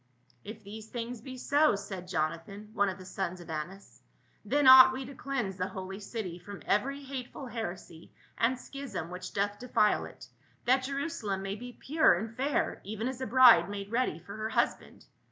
" If these things be so," said Jonathan, one of the sons of Annas, " then ought we to cleanse the holy city from every hateful heresy and schism which doth defile it, that Jerusalem may be pure and fair even as a bride made ready for her husband.